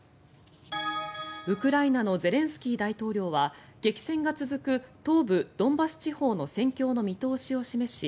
ウクライナのゼレンスキー大統領は激戦が続く東部ドンバス地方の戦況の見通しを示し